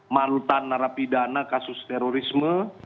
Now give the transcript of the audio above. manutan narapidana kasus terorisme